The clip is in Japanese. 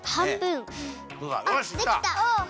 あっできた。